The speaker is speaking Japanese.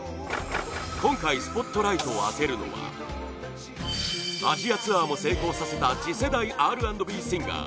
今回スポットライトを当てるのはアジアツアーも成功させた次世代Ｒ＆Ｂシンガー